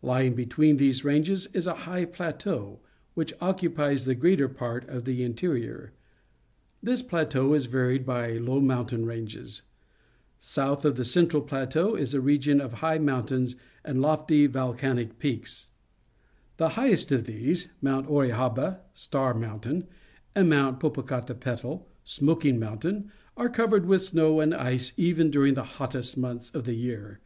Lying between these ranges is a high plateau, which occupies the greater part of the interior. This plateau is varied by low mountain ranges. South of the central A Cactus Fence around a Mexican Home plateau is a region of high mountains and lofty, volcanic peaks. The liighest of these, Mount Orizaba (Star Mountain) and Mount Popocatepetl (Smoking Mountain) are covered with snow and ice even during the hottest months of the year.